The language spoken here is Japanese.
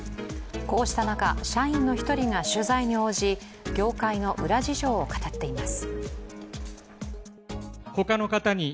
こうした中、社員の１人が取材に応じ業界の裏事情を語っています。